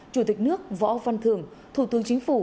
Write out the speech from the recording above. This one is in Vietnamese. chủ tịch nước võ văn thường thủ tướng chính phủ